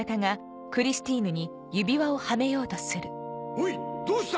おいどうした！